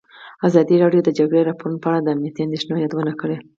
ازادي راډیو د د جګړې راپورونه په اړه د امنیتي اندېښنو یادونه کړې.